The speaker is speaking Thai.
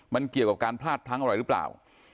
มันเกี่ยวกับการพลาดพลั้งอะไรหรือเปล่า